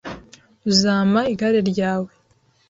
Uzampa igare ryawe